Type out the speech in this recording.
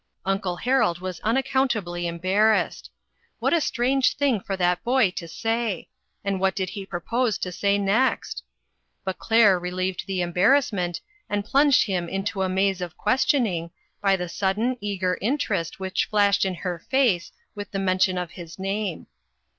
Uncle Harold was unaccountably embar rassed. What a strange thing for that boy to say ! and what did he propose to say next? But Claire relieved the embarrassment, and plunged him into a maze of questioning, 386 INTERRUPTED. by the sudden, eager interest which flashed in her face with the mention of his name.